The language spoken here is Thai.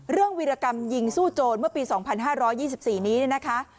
เรื่องวิรกรรมยิงสู้โจรเมื่อปี๒๕๒๔นี้นะคะ